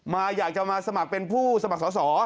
อยากจะมาสมัครเป็นผู้สมัครสอสอ